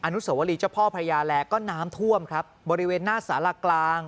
นุสวรีเจ้าพ่อพระยาแลก็น้ำท่วมครับบริเวณหน้าสารกลาง